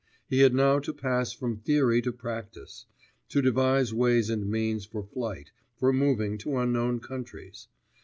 He had now to pass from theory to practice, to devise ways and means for flight, for moving to unknown countries....